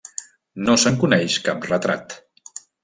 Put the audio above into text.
No se'n coneix cap retrat.